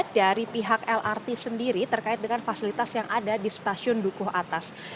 dari pihak lrt sendiri terkait dengan fasilitas yang ada di stasiun dukuh atas